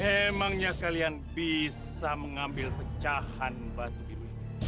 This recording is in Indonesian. emangnya kalian bisa mengambil pecahan batu biru ini